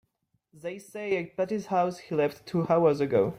They say at Patti's house he left two hours ago.